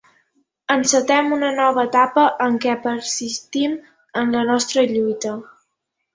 Encetem una nova etapa en què persistim en la nostra lluita!